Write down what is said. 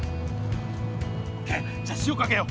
じゃあ塩かけよう。